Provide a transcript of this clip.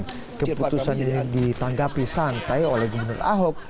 dan keputusan ini ditanggapi santai oleh gubernur ahok